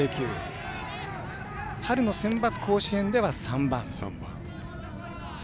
春のセンバツ甲子園では３番。